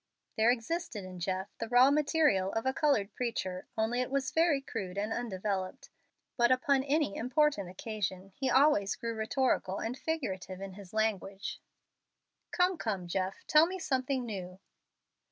There existed in Jeff the raw material of a colored preacher, only it was very crude and undeveloped. But upon any important occasion he always grew rhetorical and figurative in his language. "Come, come, Jeff, tell me something new."